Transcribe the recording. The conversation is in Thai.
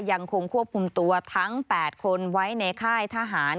ยังคงควบคุมตัวทั้ง๘คนไว้ในค่ายทหาร